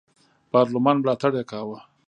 پارلمان ملاتړ یې کاوه.